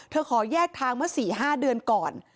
เธอขอแยกทางมา๔๕เดือนก่อน